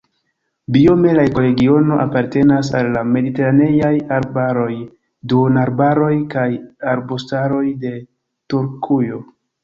Biome la ekoregiono apartenas al la mediteraneaj arbaroj, duonarbaroj kaj arbustaroj de Turkujo.